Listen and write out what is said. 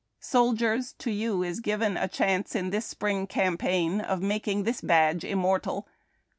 Soldiers! to you is given a chance in this Spring Campaign of making this badge immortal.